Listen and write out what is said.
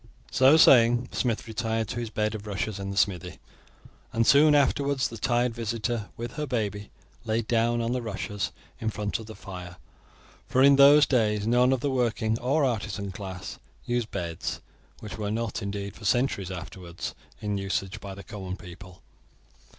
So saying, the smith retired to his bed of rushes in the smithy, and soon afterwards the tired visitor, with her baby, lay down on the rushes in front of the fire, for in those days none of the working or artisan class used beds, which were not indeed, for centuries afterwards, in usage by the common people.